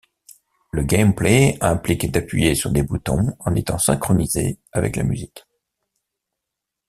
Le gameplay implique d'appuyer sur des boutons en étant synchronisé avec la musique.